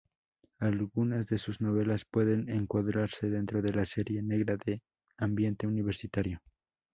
Algunas de sus novelas pueden encuadrarse dentro de la serie negra de ambiente universitario.